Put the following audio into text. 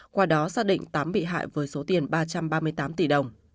qua đó xác định tám bị hại với số tiền ba trăm ba mươi tám tỷ đồng